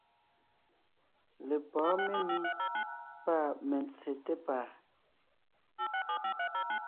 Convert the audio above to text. Lepɔ̌ɔn memí pâ mentse té pàa.